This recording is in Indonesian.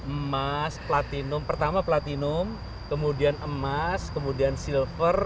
emas platinum pertama platinum kemudian emas kemudian silver